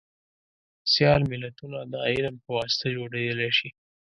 سیال ملتونه دعلم په واسطه جوړیدلی شي